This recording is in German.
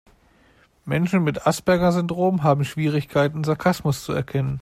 Menschen mit Asperger-Syndrom haben Schwierigkeiten, Sarkasmus zu erkennen.